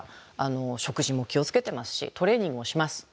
食事も気を付けてますしトレーニングもします。